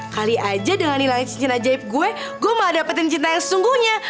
kali aja dengan hilang cincin ajaib gue gue mah dapetin cinta yang sesungguhnya